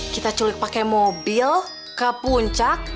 kita culik pakai mobil ke puncak